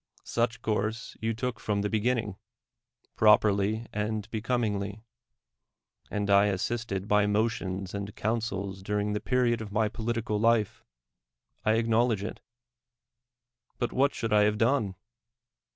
Such course you took from the beginning, properly and becomingly; and I assisted by motions and counsels during the period of my political life: — I acknowledge it. But vchat should I have done?